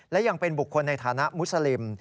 และยังเป็นบุคคลในฐานะมุสลิม